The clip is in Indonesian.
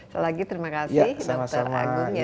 terima kasih dr agung